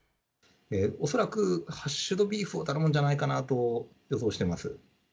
恐らくハッシュドビーフを頼むんじゃないかなと予想してます。